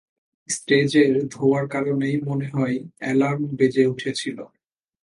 স্টেজের ধোয়ার কারণেই মনে হয় অ্যালার্ম বেজে উঠেছিল।